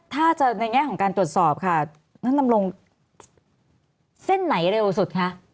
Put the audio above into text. ถ้าจะในแง่ของการตรวจสอบค่ะท่านดำรงเส้นไหนเร็วสุดคะ